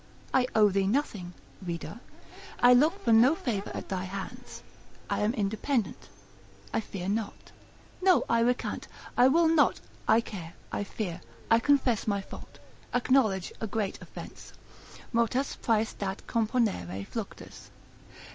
I owe thee nothing (Reader), I look for no favour at thy hands, I am independent, I fear not. No, I recant, I will not, I care, I fear, I confess my fault, acknowledge a great offence, ———motos praestat componere fluctus.